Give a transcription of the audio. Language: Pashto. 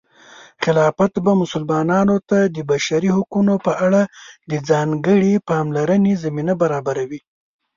خلافت به مسلمانانو ته د بشري حقونو په اړه د ځانګړې پاملرنې زمینه برابروي.